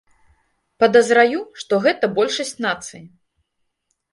Падазраю, што гэта большасць нацыі.